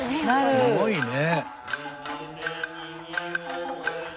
すごいね。